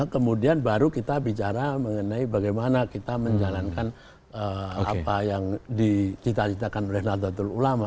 kemudian baru kita bicara mengenai bagaimana kita menjalankan apa yang dicita citakan oleh nahdlatul ulama